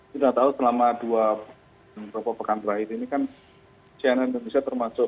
kita tahu selama dua pekan terakhir ini kan cnn indonesia termasuk